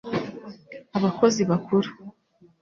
abakozi bakuru